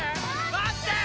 待ってー！